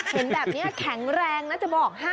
เห็นแบบนี้แข็งแรงนะจะบอกให้